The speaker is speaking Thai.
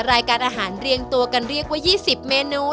รายการอาหารเรียงตัวกันเรียกว่า๒๐เมนู